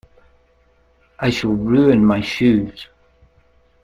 I shall ruin my shoes.